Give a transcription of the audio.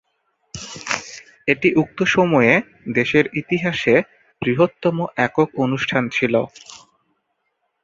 এটি উক্ত সময়ে দেশের ইতিহাসে বৃহত্তম একক অনুষ্ঠান ছিল।